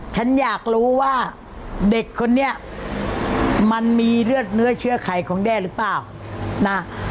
ฉันอยากรู้ว่าเด็กคนนี้มันมีเลือดเนื้อเชื้อไขของแด้หรือเปล่านะ